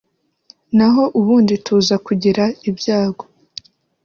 naho ubundi tuza kugira ibyago